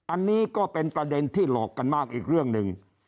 อันนี้ก็เป็นประเด็นที่หลอกกันมากอีกเรื่องหนึ่ง